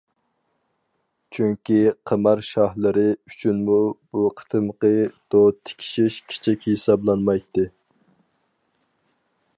چۈنكى، قىمار شاھلىرى ئۈچۈنمۇ بۇ قېتىمقى دو تىكىشىش كىچىك ھېسابلانمايتتى.